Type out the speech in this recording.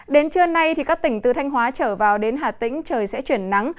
đến trưa nay các tỉnh từ thanh hóa trở vào đến hà tĩnh trời sẽ chuyển nắng